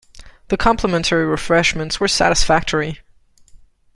The complimentary refreshments were satisfactory.